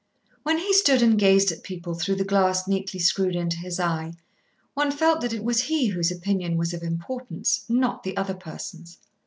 When he stood and gazed at people through the glass neatly screwed into his eye, one felt that it was he whose opinion was of importance, not the other person's.